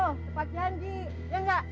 tempat janji ya enggak